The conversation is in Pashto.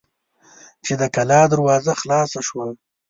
چې د کلا دروازه خلاصه شوه.